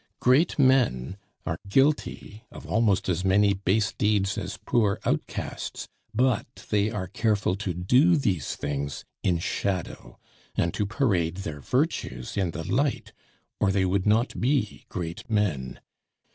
Great men are guilty of almost as many base deeds as poor outcasts; but they are careful to do these things in shadow and to parade their virtues in the light, or they would not be great men.